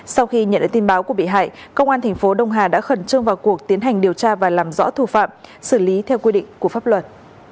sau khi nhận được tin báo của bị hại công an thành phố đông hà đã khẩn trương vào cuộc tiến hành điều tra và làm rõ thủ phạm xử lý theo quy định của pháp luật